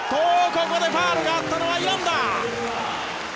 ここでファウルがあったのはイランだ。